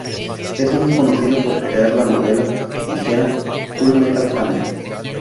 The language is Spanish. Es muy conocido por crear la novela ligera Full Metal Panic!